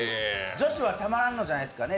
女子はたまらんのじゃないですかね。